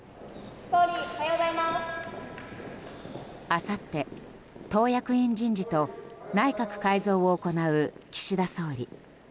あさって、党役員人事と内閣改造を行う岸田総理。